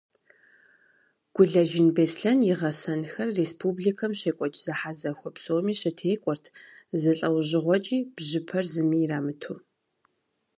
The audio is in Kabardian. Гулэжын Беслъэн и гъэсэнхэр республикэм щекӏуэкӏ зэхьэзэхуэ псоми щытекӏуэрт, зы лӏэужьыгъуэкӏи бжьыпэр зыми ирамыту.